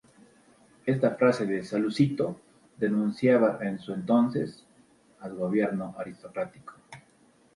Esta frase de "Salustio", denunciaba en su entonces al gobierno aristocrático.